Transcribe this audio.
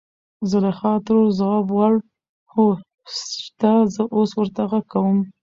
زليخا ترور ځواب وړ .هو شته زه اوس ورته غږ کوم.